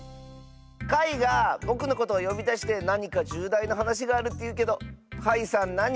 かいがぼくのことをよびだしてなにかじゅうだいなはなしがあるっていうけどかいさんなに？